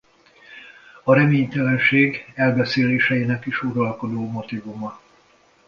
A reménytelenség elbeszélésinek is uralkodó motívuma.